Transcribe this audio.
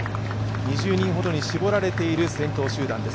２０人ほどに絞られている先頭集団です。